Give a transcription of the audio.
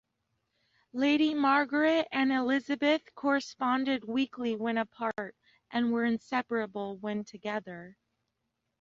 Lady Margaret and Elizabeth corresponded weekly when apart and were inseparable when together.